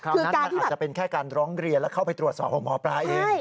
นั้นมันอาจจะเป็นแค่การร้องเรียนแล้วเข้าไปตรวจสอบของหมอปลาเอง